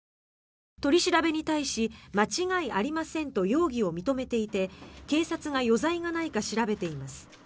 取り調べに対し間違いありませんと容疑を認めていて警察が余罪がないか調べています。